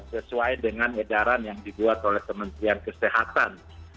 sesuai dengan edaran yang dibuat oleh kementerian kesehatan